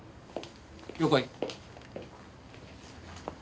了解。